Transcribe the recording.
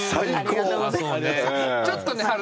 ちょっとね